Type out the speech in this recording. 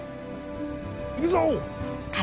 行くぞ！